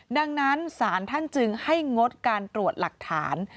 ดังนั้นศาลท่านจึงให้งดการตรวจหลักฐาน